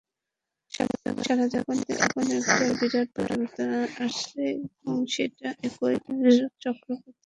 সারা জগতে এখন একটা বিরাট পরিবর্তন আসছে এবং সেটি একই চক্রপথে ঘটছে।